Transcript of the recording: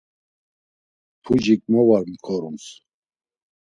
Pucik mo var mǩorums?